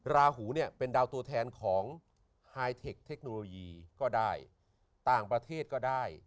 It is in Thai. ราหูเนี่ยเป็นดาวตัวแทนของไฮเทคเทคโนโลยีก็ได้ต่างประเทศก็ได้